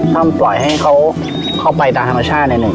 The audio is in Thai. ปล่อยให้เขาเข้าไปตามธรรมชาติในหนึ่ง